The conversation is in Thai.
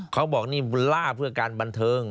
เขาบอกนี่ล่าเพื่อการบันเทิง